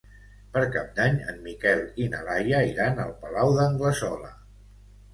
Per Cap d'Any en Miquel i na Laia iran al Palau d'Anglesola.